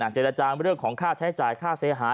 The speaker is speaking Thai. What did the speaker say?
เจรจาเรื่องของค่าใช้จ่ายค่าเสียหาย